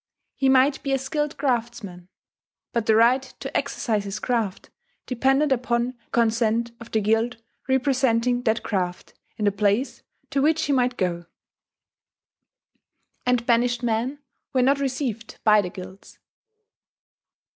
He might be a skilled craftsman; but the right to exercise his craft depended upon the consent of the guild representing that craft in the place to which he might go; and banished men were not received by the guilds.